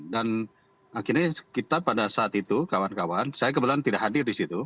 dan akhirnya kita pada saat itu kawan kawan saya kebetulan tidak hadir di situ